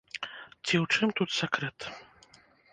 Ці ў чым тут сакрэт?